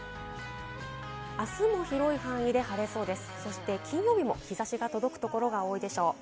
明日も広い範囲で晴れそうです。